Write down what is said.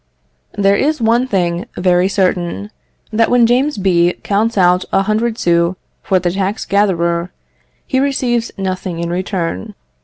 There is one thing very certain, that when James B. counts out a hundred sous for the tax gatherer, he receives nothing in return.